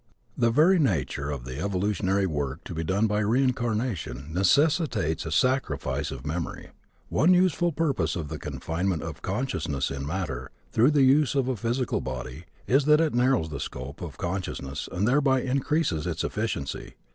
The very nature of the evolutionary work to be done by reincarnation necessitates a sacrifice of memory. One useful purpose of the confinement of consciousness in matter, through the use of a physical body, is that it narrows the scope of consciousness and thereby increases its efficiency.